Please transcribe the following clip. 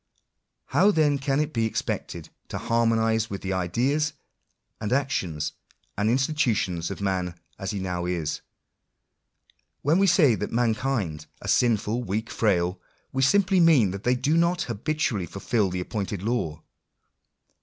How then can it be expected to harmonise with the ideas, and actions, and institu tions of man as he now is ? When we say that mankind are sinful, weak, frail, we simply mean that they do not habitually fulfil the appointed law.